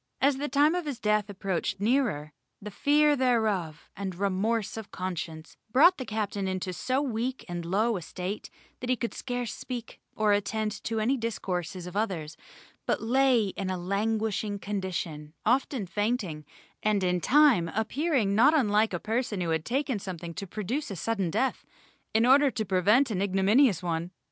As the time of his death approached nearer, the fear thereof, and remorse of conscience, brought the captain into so weak and low a state that he could scarce speak or attend to any discourses of others, but lay in a languishing condition, often fainting, and in fine appearing not unlike a person who had taken something to produce a sudden death, in order to prevent an ignominious one.